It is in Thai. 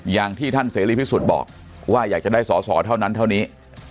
อย่างที่ท่านเสรีพิสุทธิ์บอกว่าอยากจะได้สอสอเท่านั้นเท่านี้